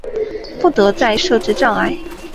不得再设置障碍